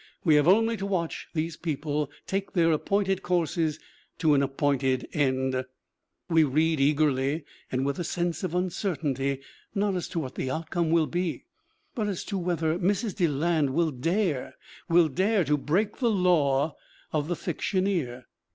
We have only to watch these people take their appointed courses to an ap pointed end. We read eagerly and with a sense of uncertainty not as to what the outcome will be, but as to whether Mrs. Deland will dare, will dare, to break the law of the fictioneer.